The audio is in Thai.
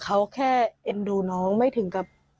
เขาแค่เอ็นดูน้องไม่ถึงกับ